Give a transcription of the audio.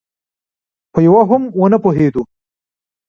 په یوه هم ونه پوهېدو.